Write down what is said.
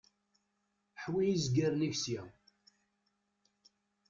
Ḥwi izgaren-ik sya.